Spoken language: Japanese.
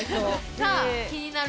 さあ気になる